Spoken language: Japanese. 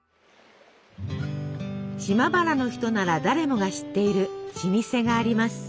島原の人なら誰もが知っている老舗があります。